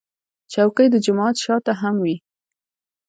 چوکۍ د جومات شا ته هم وي.